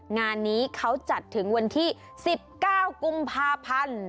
งานนี้เขาจัดถึงวันที่๑๙กุมภาพันธ์